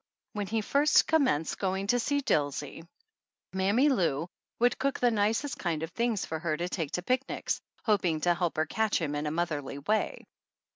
When he first commenced going to see Dilsey Mammy Lou would cook the nicest kind of things for her to take to picnics, hoping to help her catch him in a motherly way.